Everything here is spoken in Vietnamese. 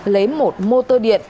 lấy một mô tơ điện